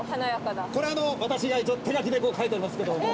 これ私が一応手描きで描いておりますけども。